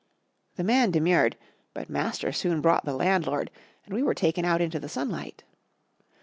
The man demurred, but Master soon brought the landlord and we were taken out into the sunlight.